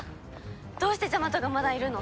どうしてジャマトがまだいるの？